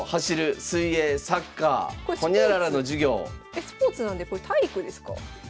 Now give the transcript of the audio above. これスポーツスポーツなんでこれ体育ですか？